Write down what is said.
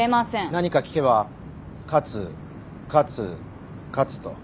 何か聞けば「勝つ」「勝つ」「勝つ」と。